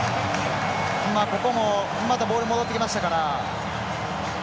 またボール戻ってきましたから。